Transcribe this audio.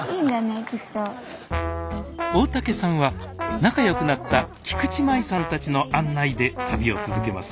大竹さんは仲良くなった菊池真衣さんたちの案内で旅を続けます。